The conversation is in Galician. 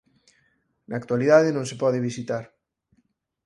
Na actualidade non se pode visitar.